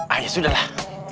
ah ya sudah lah